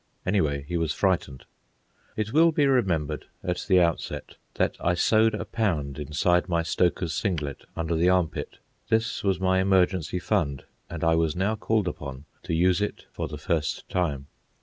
Anyway, he was frightened. It will be remembered, at the outset, that I sewed a pound inside my stoker's singlet under the armpit. This was my emergency fund, and I was now called upon to use it for the first time.